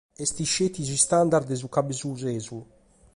Est sceti su standard de su cabesusesu.